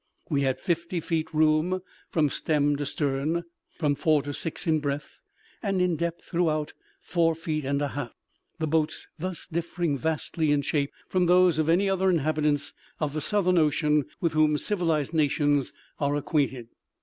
We had fifty feet room from stem to stern, from four to six in breadth, and in depth throughout four feet and a half the boats thus differing vastly in shape from those of any other inhabitants of the Southern Ocean with whom civilized nations are acquainted.